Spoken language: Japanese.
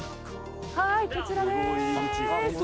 はいこちらです。